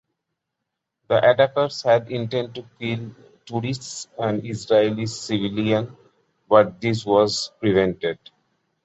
The attackers had intended to kill tourists and Israeli civilians, but this was prevented.